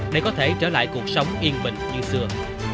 để có thể trở lại cuộc sống yên bình như xưa